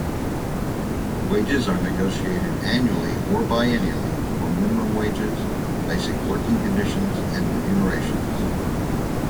Wages are negotiated annually or biennially for minimum wages, basic working conditions and remunerations.